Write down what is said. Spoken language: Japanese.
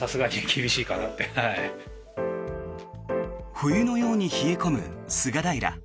冬のように冷え込む菅平。